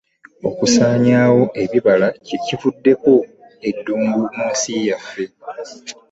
Okusaanyaawo ebibira kye kivuddeko eddungu mu nsi yaffe.